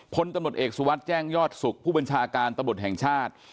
พลตำรวจเอกสุวัสดิ์แจ้งยอดสุขผู้บัญชาการตำรวจแห่งชาติ